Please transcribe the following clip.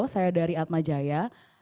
saya dari atmajaya